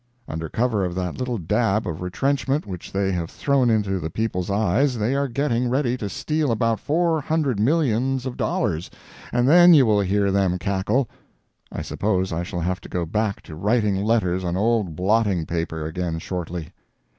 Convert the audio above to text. Under cover of that little dab of retrenchment which they have thrown into the people's eyes they are getting ready to steal about four hundred millions of dollars, and then you will hear them cackle. I suppose I shall have to go back to writing letters on old blotting paper again shortly.